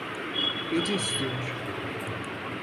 Beni istiyor.